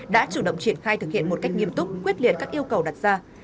đã chủ động triển khai thực hiện một cách nghiêm túc quyết liệt các yêu cầu đặt ra